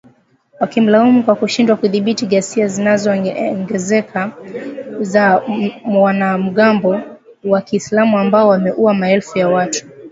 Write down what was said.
wakimlaumu kwa kushindwa kudhibiti ghasia zinazoongezeka za wanamgambo wa kiislam ambao wameua maelfu ya watu